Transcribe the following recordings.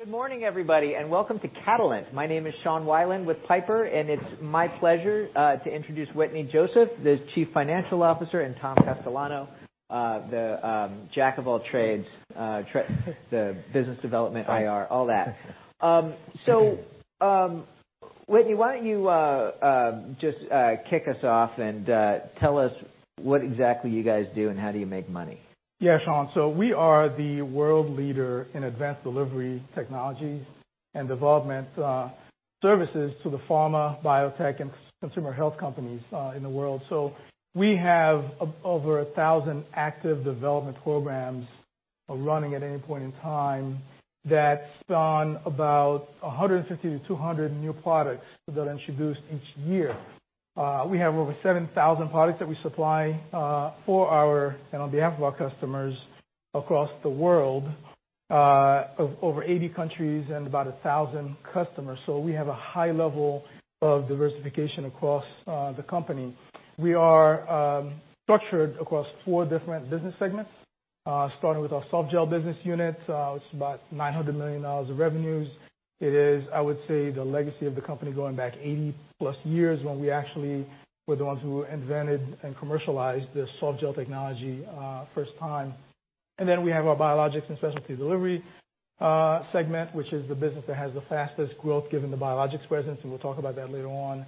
Good morning, everybody, and welcome to Catalent. My name is Sean Wieland with Piper, and it's my pleasure to introduce Wetteny Joseph, the Chief Financial Officer, and Tom Castellano, the Jack of all trades, the business development IR, all that. So, Wetteny, why don't you just kick us off and tell us what exactly you guys do and how do you make money? Yeah, Sean, so we are the world leader in advanced delivery technologies and development services to the pharma, biotech, and consumer health companies in the world. So we have over 1,000 active development programs running at any point in time that spawn about 150 to 200 new products that are introduced each year. We have over 7,000 products that we supply for our and on behalf of our customers across the world, over 80 countries and about 1,000 customers. So we have a high level of diversification across the company. We are structured across four different business segments, starting with our softgel business unit, which is about $900 million of revenues. It is, I would say, the legacy of the company going back 80-plus years when we actually were the ones who invented and commercialized the softgel technology first time. And then we have our biologics and specialty delivery segment, which is the business that has the fastest growth given the biologics presence, and we'll talk about that later on.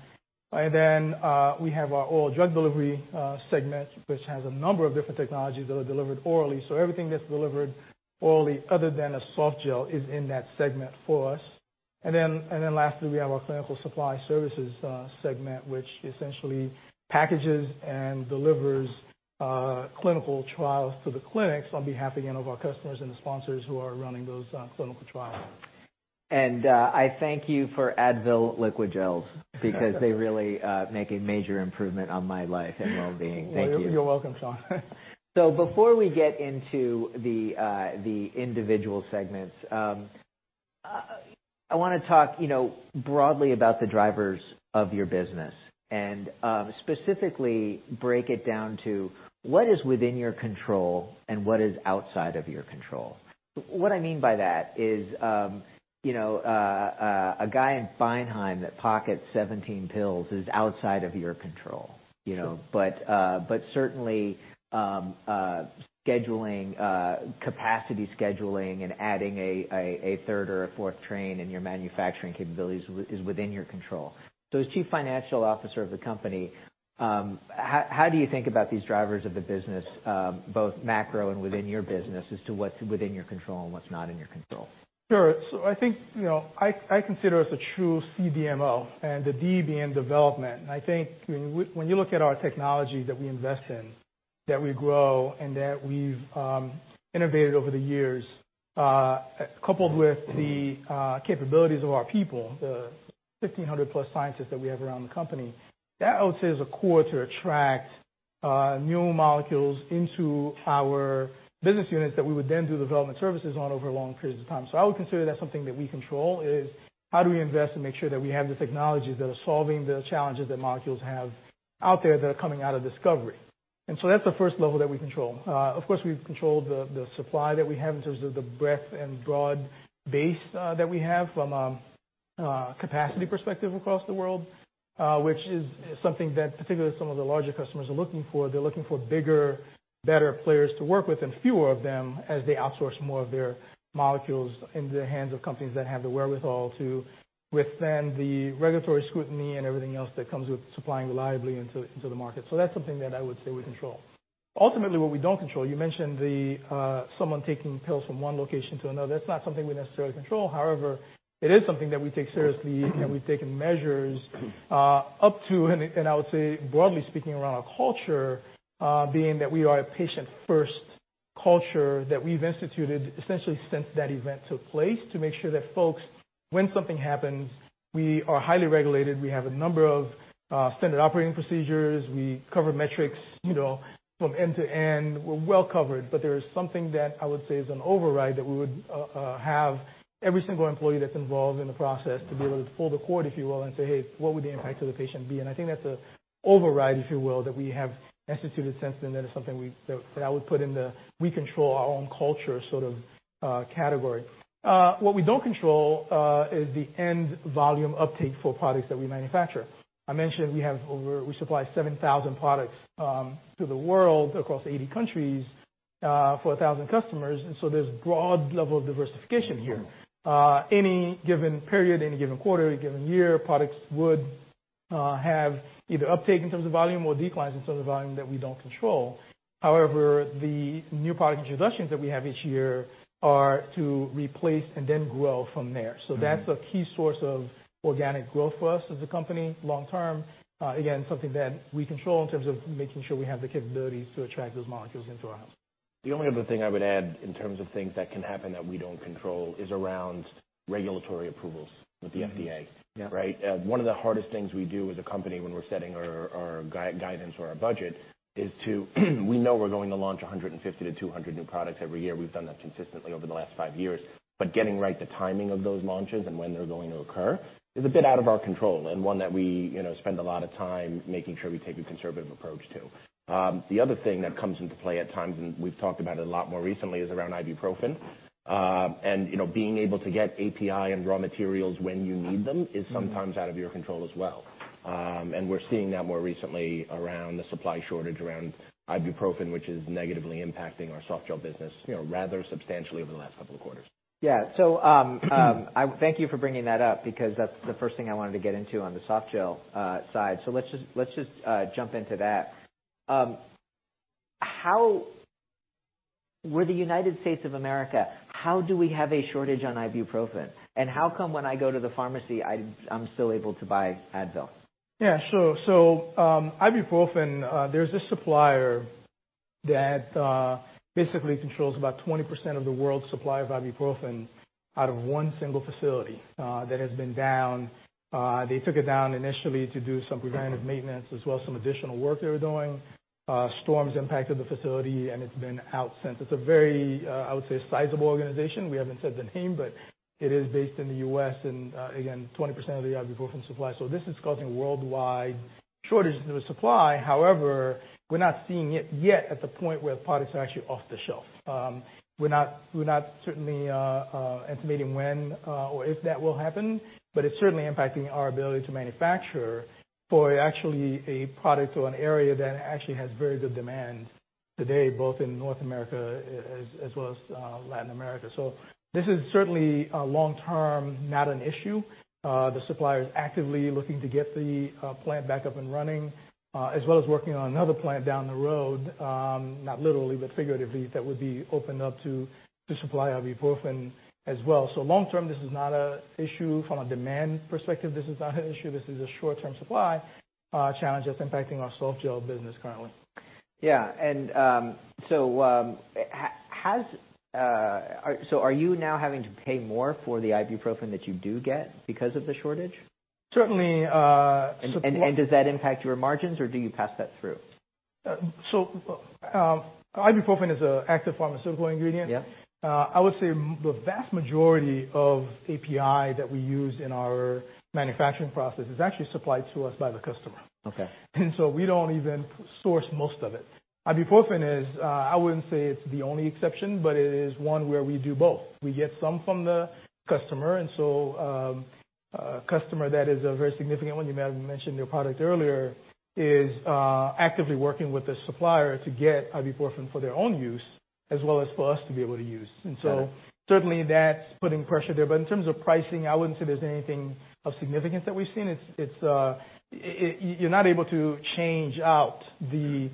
And then we have our oral drug delivery segment, which has a number of different technologies that are delivered orally. So everything that's delivered orally other than a softgel is in that segment for us. And then lastly, we have our clinical supply services segment, which essentially packages and delivers clinical trials to the clinics on behalf, again, of our customers and the sponsors who are running those clinical trials. I thank you for Advil Liqui-Gels because they really make a major improvement on my life and well-being. Thank you. You're welcome, Sean. So before we get into the individual segments, I want to talk broadly about the drivers of your business and specifically break it down to what is within your control and what is outside of your control. What I mean by that is a guy in Beinheim that pockets 17 pills is outside of your control. But certainly, scheduling, capacity scheduling, and adding a third or a fourth train in your manufacturing capabilities is within your control. So as Chief Financial Officer of the company, how do you think about these drivers of the business, both macro and within your business, as to what's within your control and what's not in your control? Sure. So I think I consider us a true CDMO and the D being development. And I think when you look at our technology that we invest in, that we grow, and that we've innovated over the years, coupled with the capabilities of our people, the 1,500-plus scientists that we have around the company, that also is a core to attract new molecules into our business units that we would then do development services on over long periods of time. So I would consider that something that we control is how do we invest and make sure that we have the technologies that are solving the challenges that molecules have out there that are coming out of discovery. And so that's the first level that we control. Of course, we control the supply that we have in terms of the breadth and broad base that we have from a capacity perspective across the world, which is something that particularly some of the larger customers are looking for. They're looking for bigger, better players to work with and fewer of them as they outsource more of their molecules into the hands of companies that have the wherewithal to withstand the regulatory scrutiny and everything else that comes with supplying reliably into the market. So that's something that I would say we control. Ultimately, what we don't control, you mentioned someone taking pills from one location to another. That's not something we necessarily control. However, it is something that we take seriously, and we've taken measures up to, and I would say broadly speaking, around our culture, being that we are a patient-first culture that we've instituted essentially since that event took place to make sure that folks, when something happens, we are highly regulated. We have a number of standard operating procedures. We cover metrics from end to end. We're well covered. But there is something that I would say is an override that we would have every single employee that's involved in the process to be able to pull the cord, if you will, and say, "Hey, what would the impact on the patient be?" And I think that's an override, if you will, that we have instituted since then. That is something that I would put in the we control our own culture sort of category. What we don't control is the end volume uptake for products that we manufacture. I mentioned we supply 7,000 products to the world across 80 countries for 1,000 customers, and so there's broad level of diversification here. Any given period, any given quarter, any given year, products would have either uptake in terms of volume or declines in terms of volume that we don't control. However, the new product introductions that we have each year are to replace and then grow from there, so that's a key source of organic growth for us as a company long-term. Again, something that we control in terms of making sure we have the capabilities to attract those molecules into our house. The only other thing I would add in terms of things that can happen that we don't control is around regulatory approvals with the FDA, right? One of the hardest things we do as a company when we're setting our guidance or our budget is, we know, we're going to launch 150-200 new products every year. We've done that consistently over the last five years. But getting right the timing of those launches and when they're going to occur is a bit out of our control and one that we spend a lot of time making sure we take a conservative approach to. The other thing that comes into play at times, and we've talked about it a lot more recently, is around ibuprofen and being able to get API and raw materials when you need them is sometimes out of your control as well. We're seeing that more recently around the supply shortage around ibuprofen, which is negatively impacting our softgel business rather substantially over the last couple of quarters. Yeah. Thank you for bringing that up because that's the first thing I wanted to get into on the softgel side. Let's just jump into that. We're in the United States of America. How do we have a shortage on ibuprofen? And how come when I go to the pharmacy, I'm still able to buy Advil? Yeah, so ibuprofen, there's a supplier that basically controls about 20% of the world's supply of ibuprofen out of one single facility that has been down. They took it down initially to do some preventative maintenance as well as some additional work they were doing. Storms impacted the facility, and it's been out since. It's a very, I would say, sizable organization. We haven't said the name, but it is based in the U.S. and, again, 20% of the ibuprofen supply, so this is causing worldwide shortages in the supply. However, we're not seeing it yet at the point where products are actually off the shelf. We're not certainly estimating when or if that will happen, but it's certainly impacting our ability to manufacture for actually a product or an area that actually has very good demand today, both in North America as well as Latin America. This is certainly long-term not an issue. The supplier is actively looking to get the plant back up and running as well as working on another plant down the road, not literally, but figuratively, that would be opened up to supply ibuprofen as well. Long-term, this is not an issue. From a demand perspective, this is not an issue. This is a short-term supply challenge that's impacting our softgel business currently. Yeah. And so are you now having to pay more for the ibuprofen that you do get because of the shortage? Certainly. Does that impact your margins, or do you pass that through? Ibuprofen is an active pharmaceutical ingredient. I would say the vast majority of API that we use in our manufacturing process is actually supplied to us by the customer. We don't even source most of it. Ibuprofen is, I wouldn't say it's the only exception, but it is one where we do both. We get some from the customer. A customer that is a very significant one, you mentioned their product earlier, is actively working with the supplier to get ibuprofen for their own use as well as for us to be able to use. Certainly, that's putting pressure there. But in terms of pricing, I wouldn't say there's anything of significance that we've seen. You're not able to change out the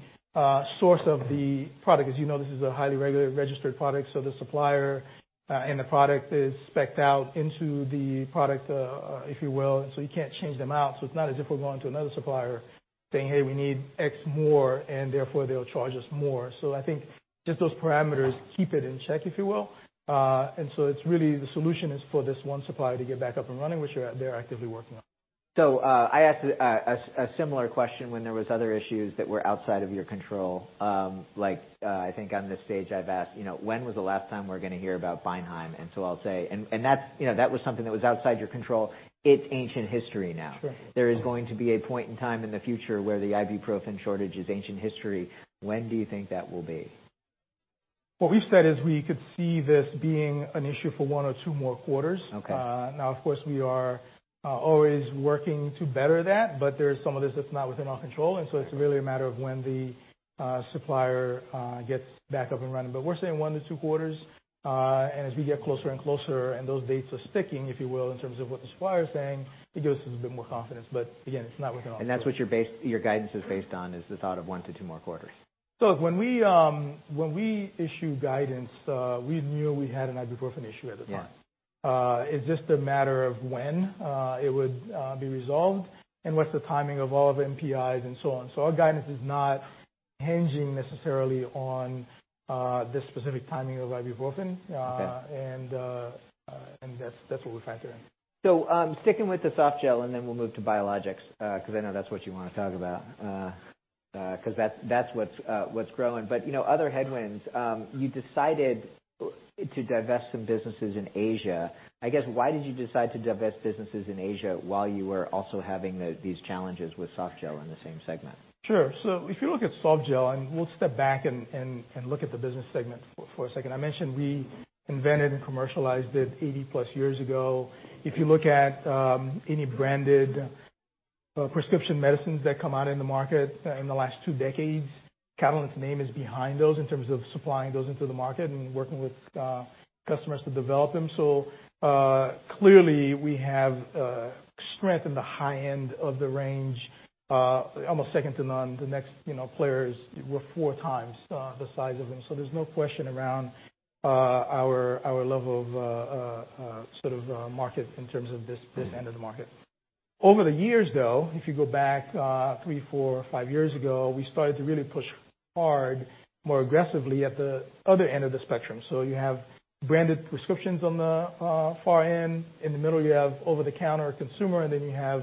source of the product. As you know, this is a highly regulated, registered product. So the supplier and the product is spec'd out into the product, if you will. And so you can't change them out. So it's not as if we're going to another supplier saying, "Hey, we need X more," and therefore they'll charge us more. So I think just those parameters keep it in check, if you will. And so it's really the solution is for this one supplier to get back up and running, which they're actively working on. I asked a similar question when there were other issues that were outside of your control. I think on this stage, I've asked, "When was the last time we're going to hear about Beinheim?" And so I'll say, "And that was something that was outside your control. It's ancient history now. There is going to be a point in time in the future where the ibuprofen shortage is ancient history. When do you think that will be? What we've said is we could see this being an issue for one or two more quarters. Now, of course, we are always working to better that, but there's some of this that's not within our control, and so it's really a matter of when the supplier gets back up and running, but we're saying one to two quarters. And as we get closer and closer and those dates are sticking, if you will, in terms of what the supplier is saying, it gives us a bit more confidence, but again, it's not within our control. That's what your guidance is based on, is the thought of one to two more quarters. So when we issue guidance, we knew we had an ibuprofen issue at the time. It's just a matter of when it would be resolved and what's the timing of all of NPIs and so on. So our guidance is not hinging necessarily on the specific timing of ibuprofen. And that's what we're factoring. So sticking with the softgel, and then we'll move to biologics because I know that's what you want to talk about because that's what's growing. But other headwinds, you decided to divest some businesses in Asia. I guess, why did you decide to divest businesses in Asia while you were also having these challenges with softgel in the same segment? Sure. So if you look at softgel, and we'll step back and look at the business segment for a second. I mentioned we invented and commercialized it 80-plus years ago. If you look at any branded prescription medicines that come out in the market in the last two decades, Catalent's name is behind those in terms of supplying those into the market and working with customers to develop them. So clearly, we have strength in the high end of the range, almost second to none. The next player is four times the size of them. So there's no question around our level of sort of market in terms of this end of the market. Over the years, though, if you go back three, four, five years ago, we started to really push hard more aggressively at the other end of the spectrum. So you have branded prescriptions on the far end. In the middle, you have over-the-counter consumer, and then you have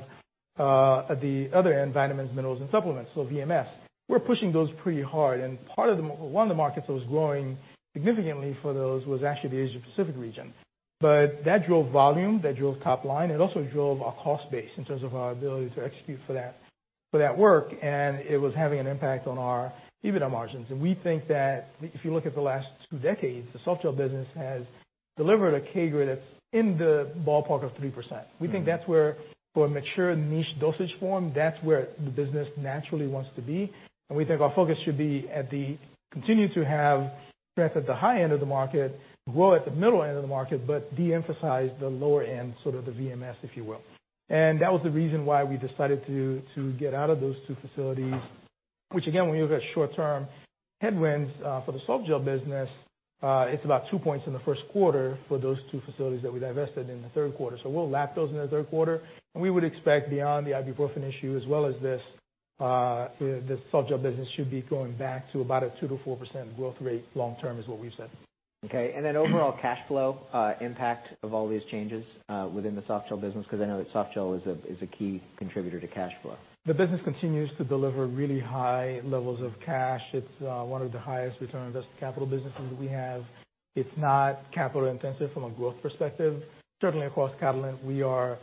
at the other end, vitamins, minerals, and supplements, so VMS. We're pushing those pretty hard. And part of one of the markets that was growing significantly for those was actually the Asia-Pacific region. But that drove volume. That drove top line. It also drove our cost base in terms of our ability to execute for that work. And it was having an impact on our EBITDA margins. And we think that if you look at the last two decades, the softgel business has delivered a CAGR that's in the ballpark of 3%. We think that's where for a mature niche dosage form, that's where the business naturally wants to be. We think our focus should be to continue to have strength at the high end of the market, grow at the middle end of the market, but de-emphasize the lower end, sort of the VMS, if you will. That was the reason why we decided to get out of those two facilities, which, again, when you look at short-term headwinds for the softgel business, it's about two points in the first quarter for those two facilities that we divested in the third quarter. We'll lap those in the third quarter. We would expect beyond the ibuprofen issue as well as this, the softgel business should be going back to about a 2%-4% growth rate long-term is what we've said. Okay, and then overall cash flow impact of all these changes within the softgel business? Because I know that softgel is a key contributor to cash flow. The business continues to deliver really high levels of cash. It's one of the highest return on investment capital businesses that we have. It's not capital-intensive from a growth perspective. Certainly, across Catalent, we are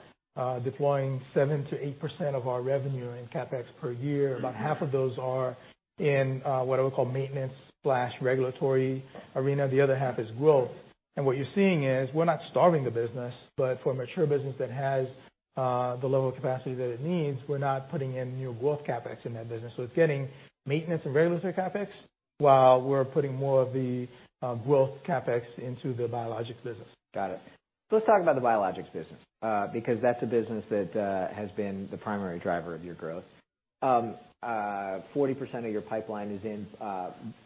deploying 7%-8% of our revenue in CapEx per year. About half of those are in what I would call maintenance/regulatory arena. The other half is growth. And what you're seeing is we're not starving the business, but for a mature business that has the level of capacity that it needs, we're not putting in new growth CapEx in that business. So it's getting maintenance and regulatory CapEx while we're putting more of the growth CapEx into the biologics business. Got it. So let's talk about the biologics business because that's a business that has been the primary driver of your growth. 40% of your pipeline is in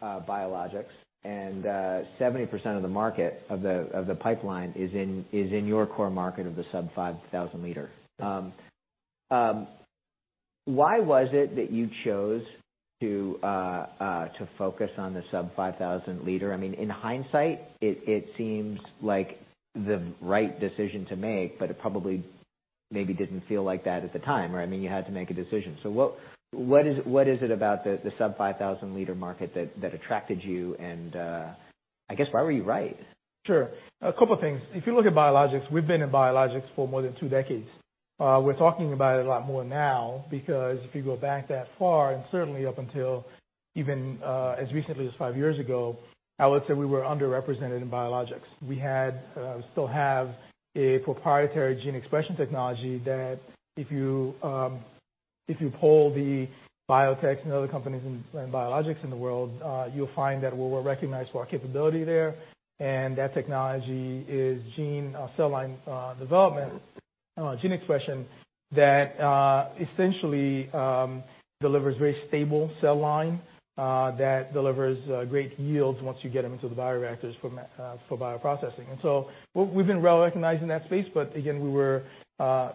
biologics, and 70% of the market of the pipeline is in your core market of the sub-5,000-liter. Why was it that you chose to focus on the sub-5,000-liter? I mean, in hindsight, it seems like the right decision to make, but it probably maybe didn't feel like that at the time, right? I mean, you had to make a decision. So what is it about the sub-5,000-liter market that attracted you? And I guess, why were you right? Sure. A couple of things. If you look at biologics, we've been in biologics for more than two decades. We're talking about it a lot more now because if you go back that far, and certainly up until even as recently as five years ago, I would say we were underrepresented in biologics. We still have a proprietary gene expression technology that if you pull the biotechs and other companies and biologics in the world, you'll find that we're recognized for our capability there. And that technology is gene cell line development, gene expression that essentially delivers very stable cell line that delivers great yields once you get them into the bioreactors for bioprocessing. And so we've been well recognized in that space, but again, we were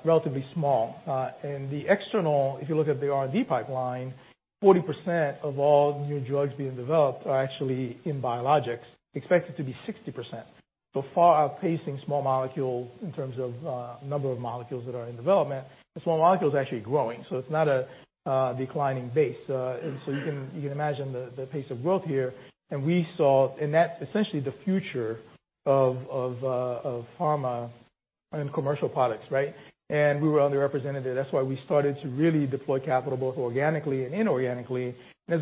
relatively small. And the external, if you look at the R&D pipeline, 40% of all new drugs being developed are actually in biologics, expected to be 60%. So far outpacing small molecules in terms of number of molecules that are in development. The small molecules are actually growing. So it's not a declining base. And so you can imagine the pace of growth here. And we saw, and that's essentially the future of pharma and commercial products, right? And we were underrepresented. That's why we started to really deploy capital both organically and inorganically. And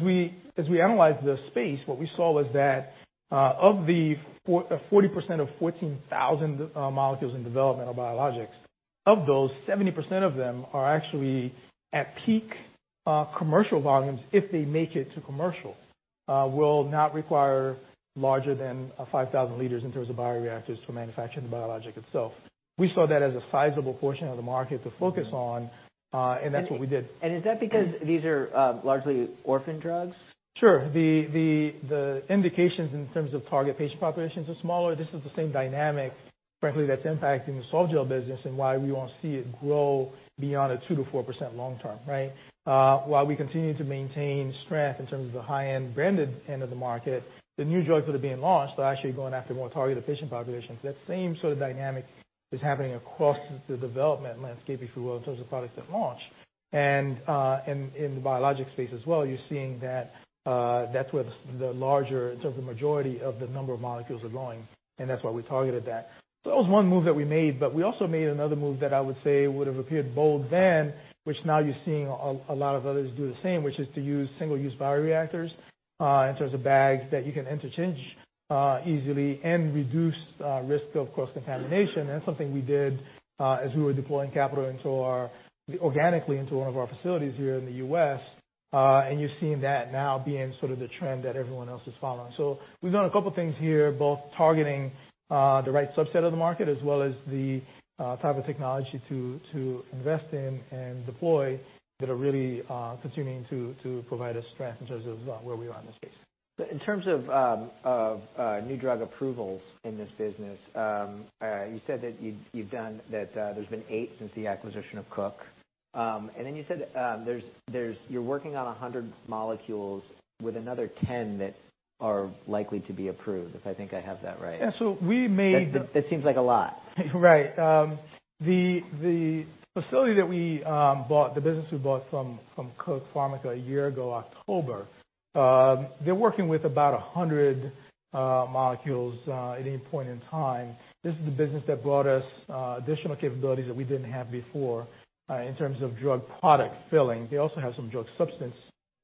as we analyzed the space, what we saw was that of the 40% of 14,000 molecules in development of biologics, of those, 70% of them are actually at peak commercial volumes if they make it to commercial. Will not require larger than 5,000 liters in terms of bioreactors to manufacture the biologic itself. We saw that as a sizable portion of the market to focus on, and that's what we did. Is that because these are largely orphan drugs? Sure. The indications in terms of target patient populations are smaller. This is the same dynamic, frankly, that's impacting the softgel business and why we won't see it grow beyond a 2%-4% long-term, right? While we continue to maintain strength in terms of the high-end branded end of the market, the new drugs that are being launched are actually going after more targeted patient populations. That same sort of dynamic is happening across the development landscape, if you will, in terms of products that launch, and in the biologic space as well, you're seeing that that's where the larger, in terms of majority of the number of molecules, are going, and that's why we targeted that. That was one move that we made, but we also made another move that I would say would have appeared bold then, which now you're seeing a lot of others do the same, which is to use single-use bioreactors in terms of bags that you can interchange easily and reduce risk of cross-contamination. That's something we did as we were deploying capital organically into one of our facilities here in the U.S. You've seen that now being sort of the trend that everyone else is following. We've done a couple of things here, both targeting the right subset of the market as well as the type of technology to invest in and deploy that are really continuing to provide us strength in terms of where we are in this space. So in terms of new drug approvals in this business, you said that you've done that there's been eight since the acquisition of Cook. And then you said you're working on 100 molecules with another 10 that are likely to be approved, if I think I have that right. Yeah, so we made. That seems like a lot. Right. The facility that we bought, the business we bought from Cook Pharmica a year ago, October, they're working with about 100 molecules at any point in time. This is the business that brought us additional capabilities that we didn't have before in terms of drug product filling. They also have some drug substance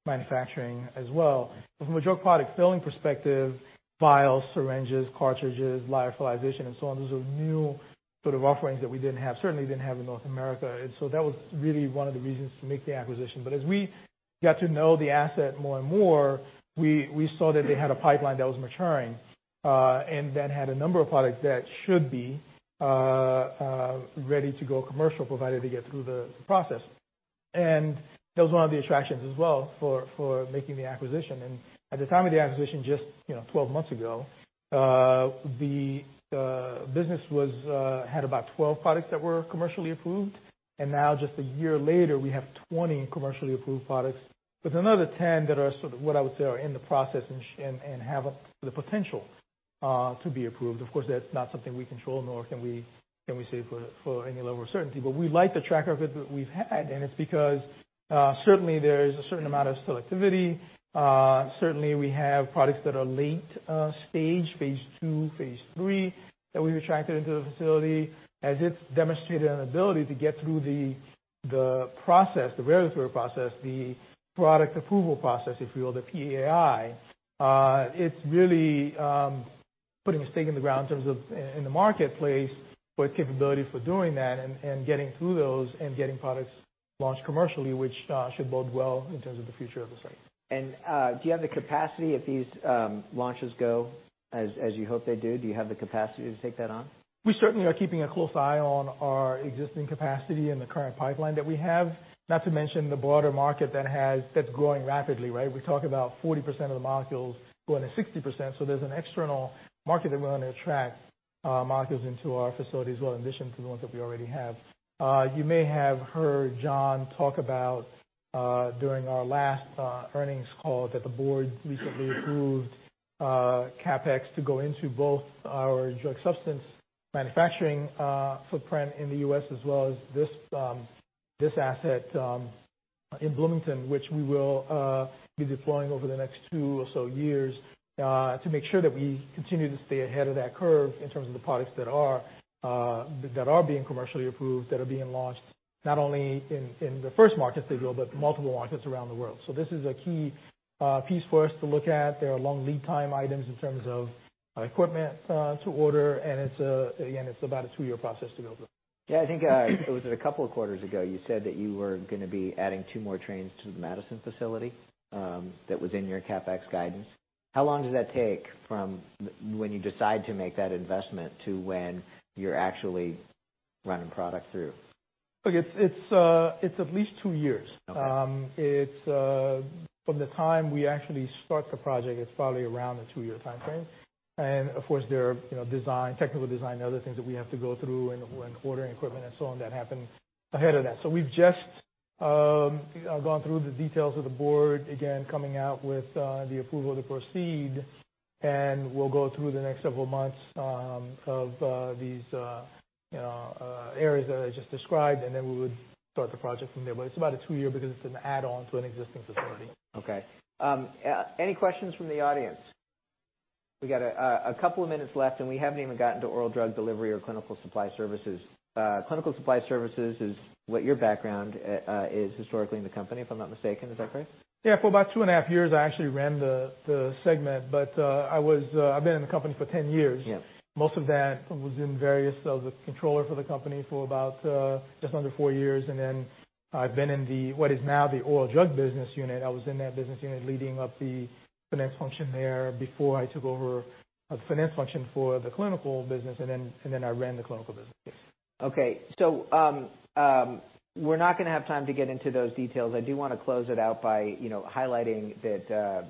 manufacturing as well. But from a drug product filling perspective, vials, syringes, cartridges, lyophilization, and so on, those are new sort of offerings that we didn't have, certainly didn't have in North America. And so that was really one of the reasons to make the acquisition. But as we got to know the asset more and more, we saw that they had a pipeline that was maturing and that had a number of products that should be ready to go commercial provided they get through the process. That was one of the attractions as well for making the acquisition. At the time of the acquisition, just 12 months ago, the business had about 12 products that were commercially approved. Now, just a year later, we have 20 commercially approved products with another 10 that are sort of what I would say are in the process and have the potential to be approved. Of course, that's not something we control, nor can we say for any level of certainty. We like the track record that we've had. It's because certainly there's a certain amount of selectivity. Certainly, we have products that are late stage, phase two, phase three that we've attracted into the facility. As it's demonstrated an ability to get through the process, the raw material process, the product approval process, if you will, the PAI, it's really putting a stake in the ground in terms of the marketplace for its capability for doing that and getting through those and getting products launched commercially, which should bode well in terms of the future of the site. Do you have the capacity if these launches go as you hope they do? Do you have the capacity to take that on? We certainly are keeping a close eye on our existing capacity and the current pipeline that we have, not to mention the broader market that's growing rapidly, right? We talk about 40% of the molecules going to 60%. So there's an external market that we want to attract molecules into our facility as well, in addition to the ones that we already have. You may have heard John talk about during our last earnings call that the board recently approved CapEx to go into both our drug substance manufacturing footprint in the U.S. as well as this asset in Bloomington, which we will be deploying over the next two or so years to make sure that we continue to stay ahead of that curve in terms of the products that are being commercially approved, that are being launched not only in the first markets, they will, but multiple markets around the world. So this is a key piece for us to look at. There are long lead time items in terms of equipment to order. And again, it's about a two-year process to go through. Yeah. I think it was a couple of quarters ago you said that you were going to be adding two more trains to the Madison facility that was in your CapEx guidance. How long does that take from when you decide to make that investment to when you're actually running product through? Okay. It's at least two years. From the time we actually start the project, it's probably around a two-year time frame. And of course, there are technical design and other things that we have to go through and ordering equipment and so on that happen ahead of that. So we've just gone through the details with the board, again, coming out with the approval to proceed. And we'll go through the next several months of these areas that I just described, and then we would start the project from there. But it's about a two-year because it's an add-on to an existing facility. Okay. Any questions from the audience? We got a couple of minutes left, and we haven't even gotten to oral drug delivery or clinical supply services. Clinical supply services is what your background is historically in the company, if I'm not mistaken. Is that correct? Yeah. For about two and a half years, I actually ran the segment, but I've been in the company for 10 years. Most of that was in various roles, including the controller for the company for about just under four years, then I've been in what is now the oral drug business unit. I was in that business unit leading the finance function there before I took over the finance function for the clinical business, and then I ran the clinical business. Okay. So we're not going to have time to get into those details. I do want to close it out by highlighting that,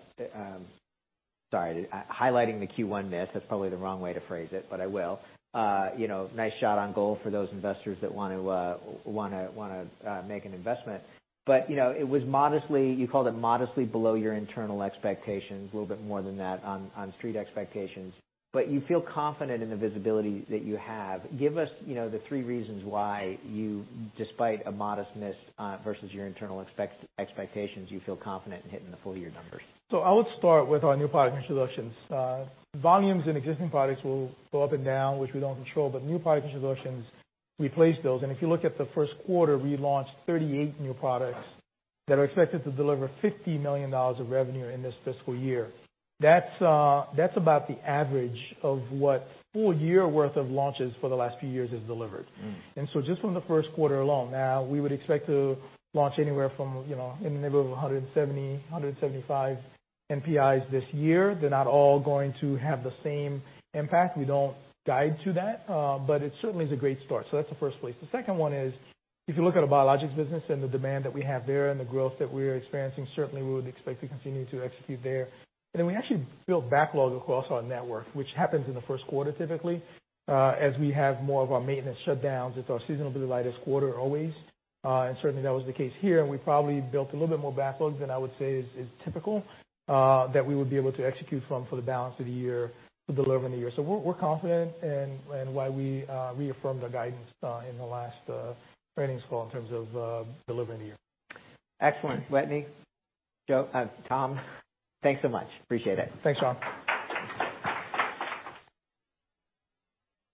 sorry, highlighting the Q1 miss. That's probably the wrong way to phrase it, but I will. Nice shot on goal for those investors that want to make an investment. But it was modestly, you called it modestly below your internal expectations, a little bit more than that on street expectations. But you feel confident in the visibility that you have. Give us the three reasons why, despite a modest miss versus your internal expectations, you feel confident in hitting the full year numbers. I would start with our new product introductions. Volumes in existing products will go up and down, which we don't control. But new product introductions, we place those. And if you look at the first quarter, we launched 38 new products that are expected to deliver $50 million of revenue in this fiscal year. That's about the average of what full year worth of launches for the last few years has delivered. And so just from the first quarter alone, now we would expect to launch anywhere from in the neighborhood of 170-175 NPIs this year. They're not all going to have the same impact. We don't guide to that, but it certainly is a great start. That's the first place. The second one is if you look at our biologics business and the demand that we have there and the growth that we're experiencing, certainly we would expect to continue to execute there. And then we actually built backlog across our network, which happens in the first quarter typically as we have more of our maintenance shutdowns. It's our seasonally lightest quarter always. And certainly, that was the case here. And we probably built a little bit more backlog than I would say is typical that we would be able to execute from for the balance of the year to deliver in the year. So we're confident in why we reaffirmed our guidance in the last earnings call in terms of delivering the year. Excellent. Wetteny, Tom, thanks so much. Appreciate it. Thanks, Sean.